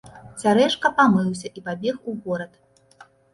Цярэшка памыўся і пабег у горад.